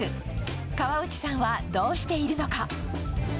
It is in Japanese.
河内さんはどうしているのか。